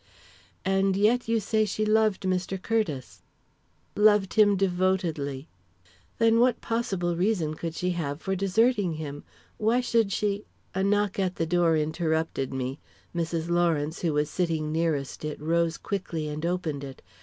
"And yet you say she loved Mr. Curtiss?" "Loved him devotedly." "Then what possible reason could she have for deserting him? Why should she " A knock at the door interrupted me. Mrs. Lawrence, who was sitting nearest it, rose quickly and opened it.